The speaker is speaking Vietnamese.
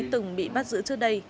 từng bị bắt giữ trước đây